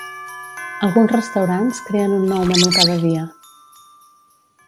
Alguns restaurants creen un nou menú cada dia.